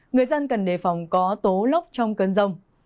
người dân cần đề phòng có tố lốc trong cơn rông